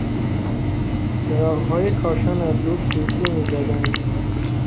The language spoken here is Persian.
چراغهای کاشان از دور سوسو میزدند.